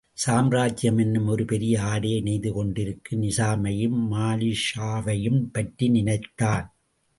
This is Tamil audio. சாம்ராஜ்யமென்னும் ஒரு பெரிய ஆடையை நெய்து கொண்டிருக்கும் நிசாமையும், மாலிக்ஷாவையும் பற்றி நினைத்தான்.